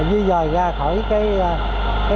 dư dòi ra khỏi nhiệm vụ